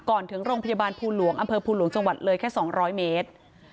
ถึงโรงพยาบาลภูหลวงอำเภอภูหลวงจังหวัดเลยแค่๒๐๐เมตร